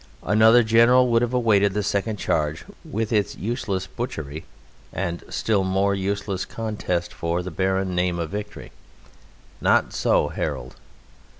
Another general would have awaited the second charge with its useless butchery and still more useless contest for the barren name of victory. Not so Harold.